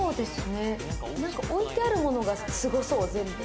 置いてあるものが、すごそう全部。